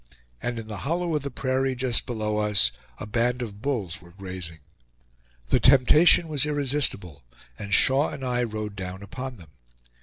and in the hollow of the prairie just below us, a band of bulls were grazing. The temptation was irresistible, and Shaw and I rode down upon them.